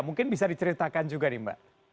mungkin bisa diceritakan juga nih mbak